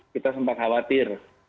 kita sempat khawatir